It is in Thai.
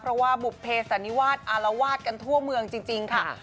เพราะว่าบุภเพสันนิวาสอารวาสกันทั่วเมืองจริงค่ะ